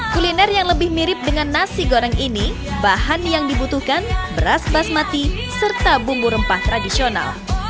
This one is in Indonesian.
kuliner yang lebih mirip dengan nasi goreng ini bahan yang dibutuhkan beras basmati serta bumbu rempah tradisional